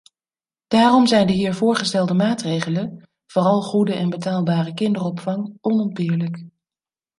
Daarom zijn de hier voorgestelde maatregelen, vooral goede en betaalbare kinderopvang, onontbeerlijk.